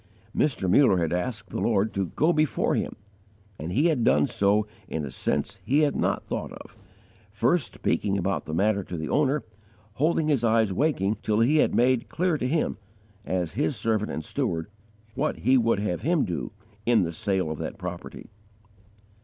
Mr. Muller had asked the Lord to go before him, and He had done so in a sense he had not thought of, first speaking about the matter to the owner, holding his eyes waking till He had made clear to him, as His servant and steward, what He would have him do in the sale of that property.